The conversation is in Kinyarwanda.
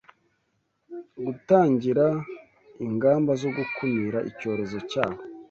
gutangira ingamba zo gukumira icyorezo cyaho